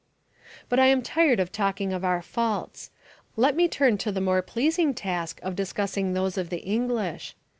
But I am tired of talking of our faults. Let me turn to the more pleasing task of discussing those of the English.